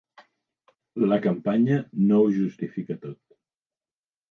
La campanya no ho justifica tot.